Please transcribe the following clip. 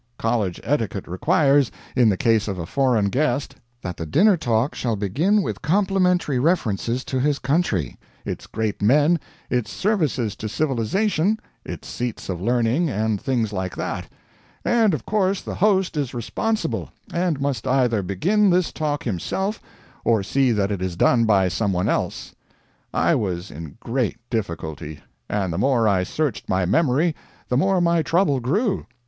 College etiquette requires, in the case of a foreign guest, that the dinner talk shall begin with complimentary references to his country, its great men, its services to civilization, its seats of learning, and things like that; and of course the host is responsible, and must either begin this talk himself or see that it is done by some one else. I was in great difficulty; and the more I searched my memory, the more my trouble grew.